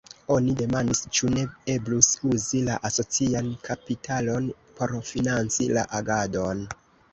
Oni demandis, ĉu ne eblus uzi la asocian kapitalon por financi la agadon.